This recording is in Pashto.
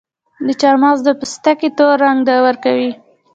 د چارمغز پوستکي تور رنګ ورکوي.